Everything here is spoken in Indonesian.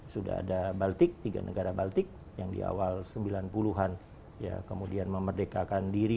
sudah ada baltik tiga negara baltik yang di awal sembilan puluh an kemudian memerdekakan diri